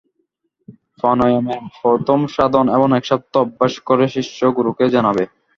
প্রাণায়ামের প্রথম সাধন এক সপ্তাহ অভ্যাস করে শিষ্য গুরুকে জানাবে।